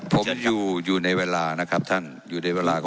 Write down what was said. ผมอยู่อยู่ในเวลานะครับท่านอยู่ในเวลาของ